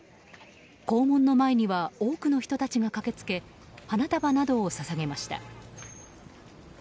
校門の前には多くの人たちが駆けつけ花束などを捧げました。